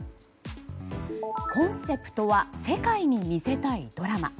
コンセプトは世界に見せたいドラマ。